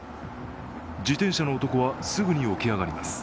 自転車の男はすぐに起き上がります。